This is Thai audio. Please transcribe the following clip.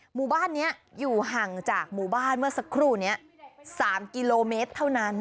หมู่บ้านนี้อยู่ห่างจากหมู่บ้านเมื่อสักครู่นี้๓กิโลเมตรเท่านั้น